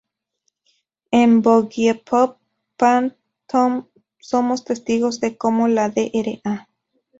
En "Boogiepop Phantom" somos testigos de cómo la Dra.